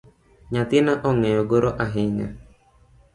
Nyathina ongeyo goro ahinya